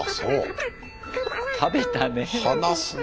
食べたね。